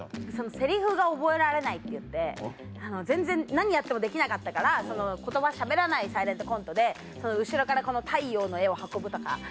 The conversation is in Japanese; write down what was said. セリフが覚えられないっていって全然何やってもできなかったから言葉しゃべらないサイレントコントで後ろから太陽の絵を運ぶとか。